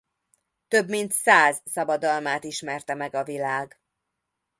Több mint száz szabadalmát ismerte meg a világ.